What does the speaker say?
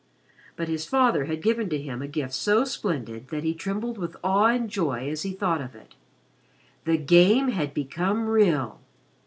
But his father had given to him a gift so splendid that he trembled with awe and joy as he thought of it. The Game had become real.